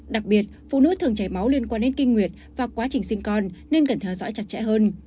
đặc biệt phụ nữ thường chảy máu liên quan đến kinh nguyệt và quá trình sinh con nên cần theo dõi chặt chẽ hơn